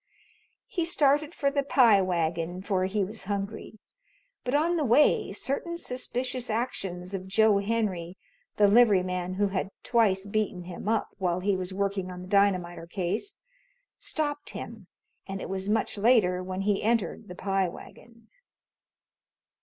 He started for the Pie Wagon, for he was hungry, but on the way certain suspicious actions of Joe Henry (the liveryman who had twice beaten him up while he was working on the dynamiter case), stopped him, and it was much later when he entered the Pie Wagon.